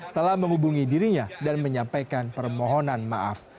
telah menghubungi dirinya dan menyampaikan permohonan maaf